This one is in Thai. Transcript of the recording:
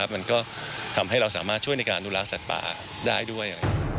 มันก็ทำให้เราสามารถช่วยในการอนุรักษ์สัตว์ป่าได้ด้วย